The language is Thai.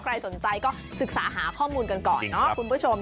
ใครสนใจก็ศึกษาหาข้อมูลกันก่อนเนาะคุณผู้ชม